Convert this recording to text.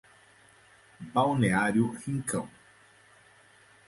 Balneário Rincão